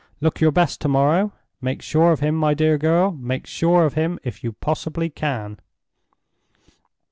Look your best to morrow! Make sure of him, my dear girl—make sure of him, if you possibly can."